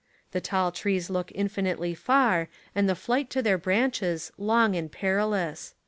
The tall trees look Infinitely far and the flight to their branches long and perilous.